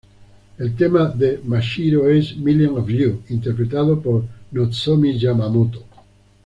El tema de Mashiro es "Millions of You" interpretado por Nozomi Yamamoto.